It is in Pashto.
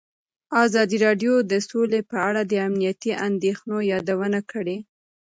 ازادي راډیو د سوله په اړه د امنیتي اندېښنو یادونه کړې.